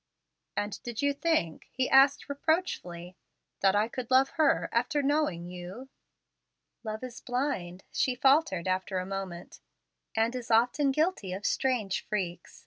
"And did you think," he asked reproachfully, "that I could love her after knowing you?" "Love is blind," she faltered after a moment, "and is often guilty of strange freaks.